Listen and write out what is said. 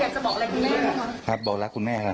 คุณแม่อยากจะบอกอะไรคุณแม่ได้ไหม